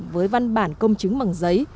với văn bản công chứng bằng giấy